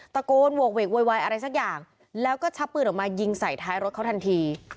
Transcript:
ตะโกนโหกเวกโวยวายอะไรสักอย่างแล้วก็ชักปืนออกมายิงใส่ท้ายรถเขาทันที